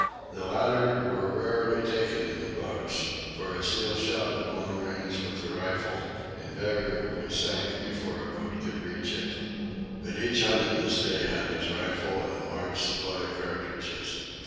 The latter were rarely taken in the boats, for a seal shot at long range with a rifle invariably sank before a boat could reach it. But each hunter this day had his rifle and a large supply of cartridges.